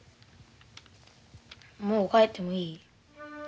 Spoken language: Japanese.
もう帰ってもいい？